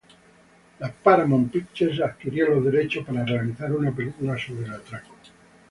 La Paramount Pictures adquirió los derechos para realizar una película sobre el atraco.